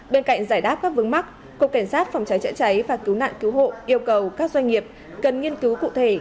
bên cạnh giải đáp các vướng mắc cục cảnh sát phòng cháy chữa cháy và cứu nạn cứu hộ yêu cầu các doanh nghiệp cần nghiên cứu cụ thể